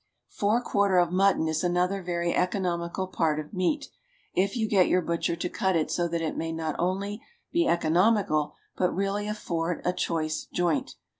Fore quarter of mutton is another very economical part of meat, if you get your butcher to cut it so that it may not only be economical, but really afford a choice joint.